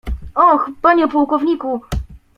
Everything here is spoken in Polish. "Och, panie pułkowniku!..."